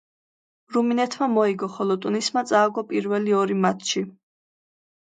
რუმინეთმა მოიგო, ხოლო ტუნისმა წააგო პირველი ორი მატჩი.